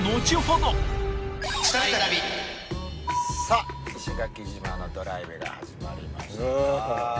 さあ石垣島のドライブが始まりました。